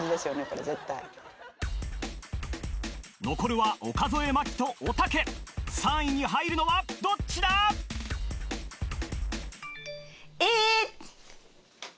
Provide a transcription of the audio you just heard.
これ絶対残るは岡副麻希とおたけ３位に入るのはどっちだ「えー」